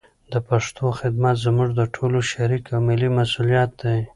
د پښتو خدمت زموږ د ټولو شریک او ملي مسولیت دی.